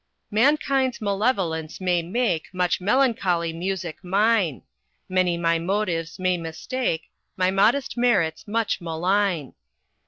"Mankind's malevolence may make Much melancholy music mine; Many my motives may mistake, My modest merits much malign.